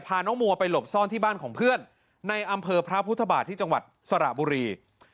น้องมัวไปหลบซ่อนที่บ้านของเพื่อนในอำเภอพระพุทธบาทที่จังหวัดสระบุรี